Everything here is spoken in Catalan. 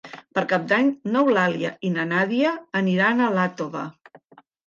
Per Cap d'Any n'Eulàlia i na Nàdia aniran a Iàtova.